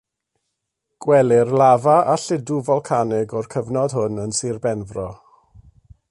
Gwelir lafa a lludw folcanig o'r cyfnod hwn yn Sir Benfro.